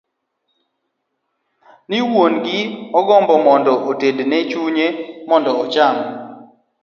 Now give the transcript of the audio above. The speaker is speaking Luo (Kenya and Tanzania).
Ni wuon gi ne ogombo mondo otedne chunye mondo ocham.